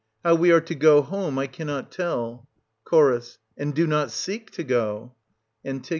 How we are to go home, I cannot tell. Ch. And do not seek to go. An.